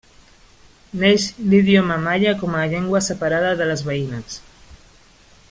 Neix l'idioma maia com a llengua separada de les veïnes.